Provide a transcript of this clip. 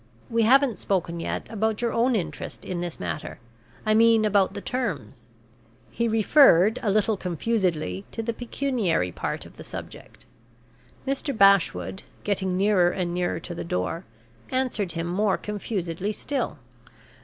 We haven't spoken yet about your own interest in this matter; I mean, about the terms." He referred, a little confusedly, to the pecuniary part of the subject. Mr. Bashwood (getting nearer and nearer to the door) answered him more confusedly still.